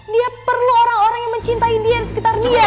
dia perlu orang orang yang mencintai india di sekitar dia